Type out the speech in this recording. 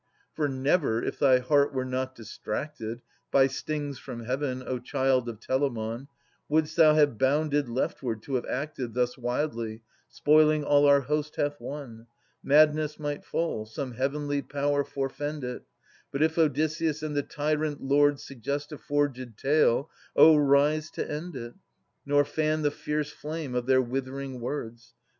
For never, if thy heart were not distracted By stings from Heaven, O child of Telamon, Wouldst thou have bounded leftward, to have acted Thus wildly, spoiling all our host hath won ! Madness might fall : some heavenly power forf end it! But if Odysseus and the tyrant lords Suggest a forged tale, O rise to end it, Nor fan the fierce flame of their withering words